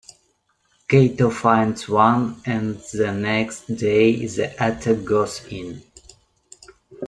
Cato finds one, and the next day the attack goes in.